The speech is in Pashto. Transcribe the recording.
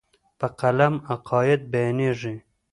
په قلم عقاید بیانېږي.